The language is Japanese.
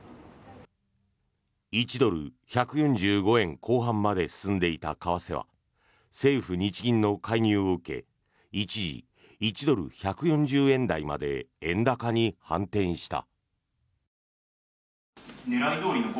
１ドル＝１４５円後半まで進んでいた為替は政府・日銀の介入を受け一時、１ドル＝１４０円台まで円高に反転した。